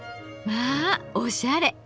まあおしゃれ！